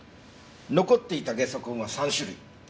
残っていたゲソ痕は３種類。